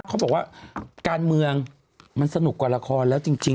เขาบอกว่าการเมืองมันสนุกกว่าละครแล้วจริง